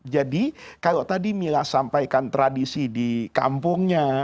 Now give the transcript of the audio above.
jadi kalau tadi mila sampaikan tradisi di kampungnya